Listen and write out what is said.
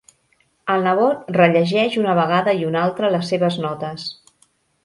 El nebot rellegeix una vegada i una altra les seves notes.